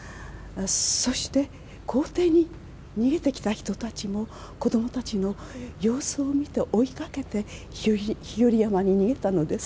そして校庭に逃げてきた人たちも子どもたちの様子を見て、追いかけて、日和山に逃げたのです。